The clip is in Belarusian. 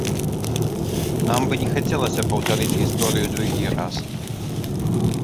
Нам бы не хацелася паўтарыць гісторыю другі раз.